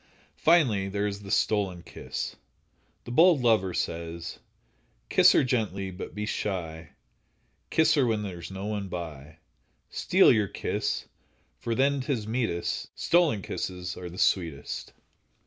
Finally, there is the stolen kiss. The bold lover says: Kiss her gently, but be sly, Kiss her when there's no one by, Steal your kiss, for then 'tis meetest, Stolen kisses are the sweetest.